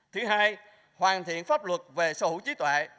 thứ hai hoàn thiện pháp luật về sở hữu trí tuệ